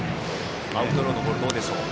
アウトローのボール。